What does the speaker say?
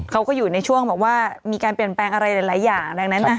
เขาก็อยู่ในช่วงแบบว่ามีการเปลี่ยนแปลงอะไรหลายอย่างดังนั้น